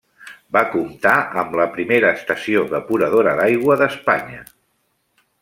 Va comptar amb la primera estació depuradora d'aigua d'Espanya.